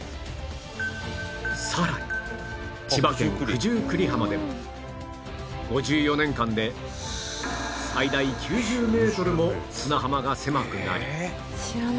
さらに千葉県九十九里浜でも５４年間で最大９０メートルも砂浜が狭くなり